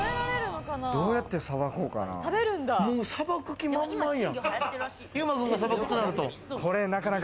どうやってさばこうかな？